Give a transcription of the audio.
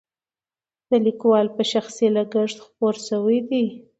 د لیکوال په شخصي لګښت خپور شوی دی.